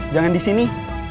jangan di sini